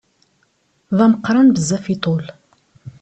D ameqqran bezzaf iḍul.